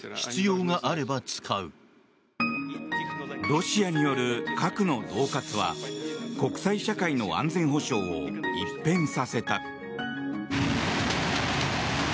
ロシアによる核の恫喝は国際社会の安全保障を一変させた。